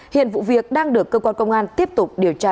hiện vụ việc đang được cơ quan công an tiếp tục điều tra làm rõ